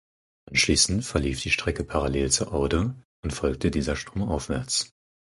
Anschließend verlief die Strecke parallel zur Aude und folgte dieser stromaufwärts.